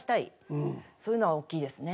そういうのは大きいですね。